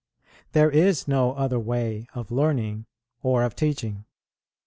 There is no other way of learning or of teaching.